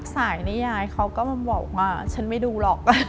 สายนิยายเขาก็มาบอกว่าฉันไม่ดูหรอก